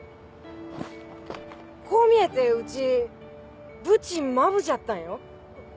こう見えてうちブチマブじゃったんよ。